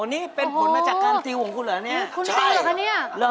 ที่เป็นผลมาจากเกินติวของคุณเหรอเนี่ย